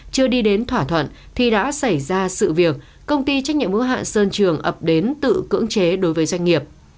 chưa đi đến thỏa thuận thì đã xảy ra sự việc công ty trách nhiệm hữu hạn sơn trường ập đến tự cưỡng chế đối với doanh nghiệp